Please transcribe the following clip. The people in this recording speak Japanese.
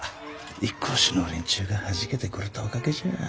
一向宗の連中がはじけてくれたおかげじゃ。